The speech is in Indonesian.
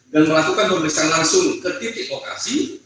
dan melakukan pemeriksaan langsung ke titik lokasi